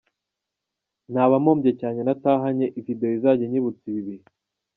'Naba mpombye cyane ntatahanye video izajya inyubutsa ibi bihe'.